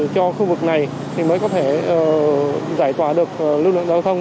cho khu vực này thì mới có thể giải tỏa được lưu lượng giao thông